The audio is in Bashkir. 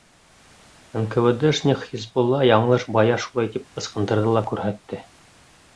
НКВД-шник Хисбулла яңылыш бая шулай тип ысҡындырҙы ла күрһәтте.